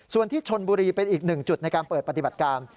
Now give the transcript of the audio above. ส่วนที่ชนบุรีเป็นอีกหนึ่งจุดในการเปิดปฏิบัติการ